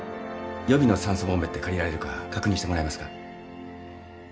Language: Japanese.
予備の酸素ボンベって借りられるか確認してもらえますか？